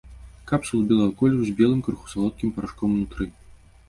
Капсулы белага колеру з белым, крыху салодкім парашком унутры.